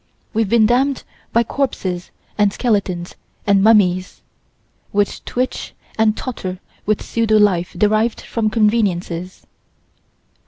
We've been damned by corpses and skeletons and mummies, which twitch and totter with pseudo life derived from conveniences.